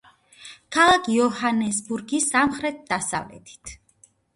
ქალაქ იოჰანესბურგის სამხრეთ-დასავლეთით.